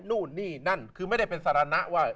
นู่นนี่นั่นคือไม่ได้เป็นสารนะว่า